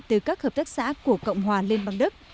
từ các hợp tác xã của cộng hòa liên bang đức